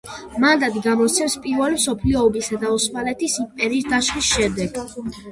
მანდატი გამოსცეს პირველი მსოფლიო ომისა და ოსმალეთის იმპერიის დაშლის შემდეგ.